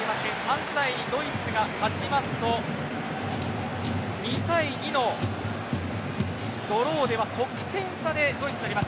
３対２ドイツが勝ちますと２対２のドローでは得点差でドイツとなります。